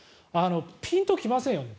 ピンと来ませんよね